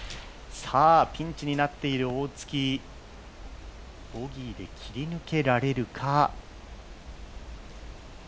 ピンチになっている大槻ボギーで切り抜けられるか。